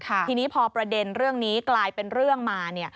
ทีนี้พอประเด็นเรื่องนี้กลายเป็นเรื่องมา